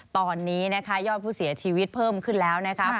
ตอนนี้นะคะยอดผู้เสียชีวิตเพิ่มขึ้นแล้วนะครับ